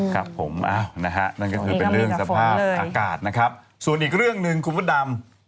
ครับผมนะฮะนั่นก็คือเป็นเรื่องสภาพอากาศนะครับส่วนอีกเรื่องหนึ่งคุณพระดำ